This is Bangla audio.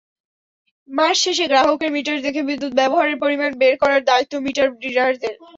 মাস শেষে গ্রাহকের মিটার দেখে বিদ্যুৎ ব্যবহারের পরিমাণ বের করার দায়িত্ব মিটার রিডারদের।